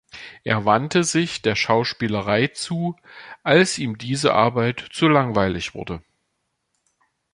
Er wandte sich der Schauspielerei zu, als ihm diese Arbeit zu langweilig wurde.